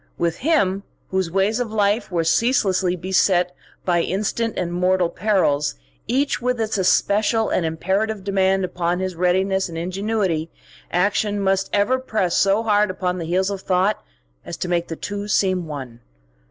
With him, whose ways of life were ceaselessly beset by instant and mortal perils, each with its especial and imperative demand upon his readiness and ingenuity, action must ever press so hard upon the heels of thought as to make the two seem one.